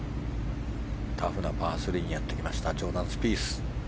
タフなパー３にやってきましたジョーダン・スピース。